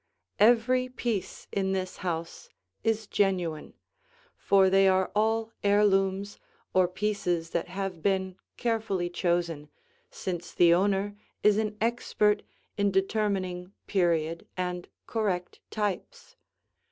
Every piece in this house is genuine, for they all are heirlooms or pieces that have been carefully chosen, since the owner is an expert in determining period and correct types.